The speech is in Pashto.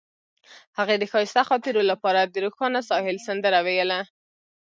هغې د ښایسته خاطرو لپاره د روښانه ساحل سندره ویله.